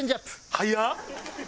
早っ！